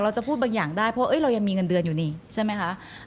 จะพูดบางอย่างได้เพราะเรายังมีเงินเดือนอยู่นี่ใช่ไหมคะ